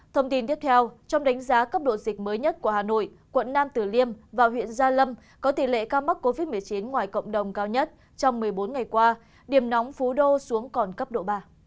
thông tin tiếp theo trong đánh giá cấp độ dịch mới nhất của hà nội quận nam tử liêm và huyện gia lâm có tỷ lệ ca mắc covid một mươi chín ngoài cộng đồng cao nhất trong một mươi bốn ngày qua điểm nóng phú đô xuống còn cấp độ ba